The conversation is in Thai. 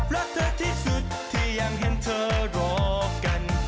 รักเธอที่สุดที่ยังเห็นเธอรอกัน